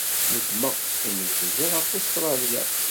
Nedmeɣ imi ay rziɣ ɣef Ustṛalya.